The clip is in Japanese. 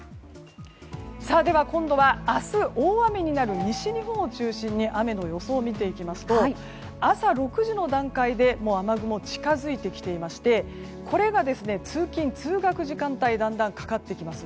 今度は明日、大雨になる西日本を中心に雨の予想を見ていきますと朝６時の段階で雨雲が近づいてきていましてこれが通勤・通学時間帯にだんだんとかかってきます。